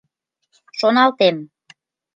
Шоналтем...